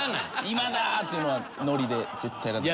「今だ！」っていうのはノリで絶対やらない。